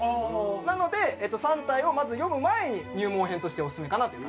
なので『三体』をまず読む前に入門編としてオススメかなと。